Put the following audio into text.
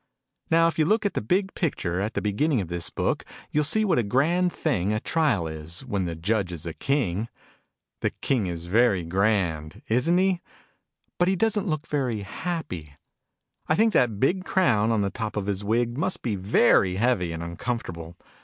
Now, if you look at the big picture, at the beginning of this book, you'll see what a grand thing a trial is, when the Judge is a King ! The King is very grand, isn't he ? But he doesn't look very happy. I think that big crown, on the top of his wig, must be very heavy and uncomfortable.